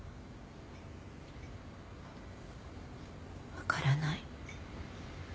分からない。